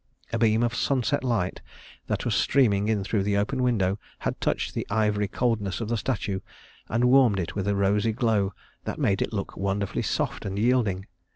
A beam of sunset light that was streaming in through the open window had touched the ivory coldness of the statue and warmed it with a rosy glow that made it look wonderfully soft and yielding.